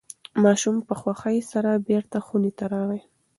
ماشوم په خوښۍ سره بیرته خونې ته راغی.